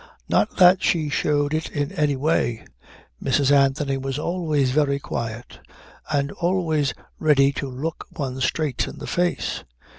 Not that she showed it in any way. Mrs. Anthony was always very quiet and always ready to look one straight in the face."